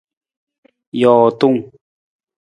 Jootung.